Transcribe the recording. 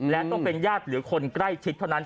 และต้องเป็นญาติหรือคนใกล้ชิดเท่านั้น